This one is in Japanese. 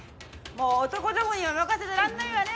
もう男どもには任せてらんないわね。